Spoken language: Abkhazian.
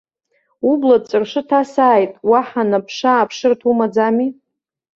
Убла аҵәыршы ҭасааит, уаҳа наԥшы-ааԥшырҭа умаӡами?!